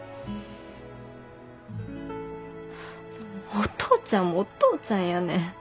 お父ちゃんもお父ちゃんやねん。